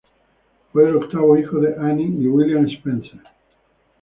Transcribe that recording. Fue el octavo hijo de Annie y William Spencer.